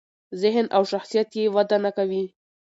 ذهن او شخصیت یې وده نکوي.